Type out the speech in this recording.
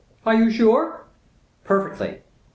"Are you sure?" "Perfectly.